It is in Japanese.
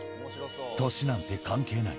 年なんて関係ない。